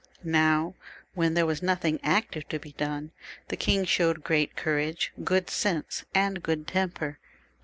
Now when there was nothing active to be done, the king showed great courage, good sense, and good temper.